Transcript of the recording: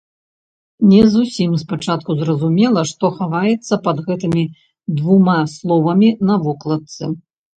Не зусім спачатку зразумела, што хаваецца пад гэтымі двума словамі на вокладцы.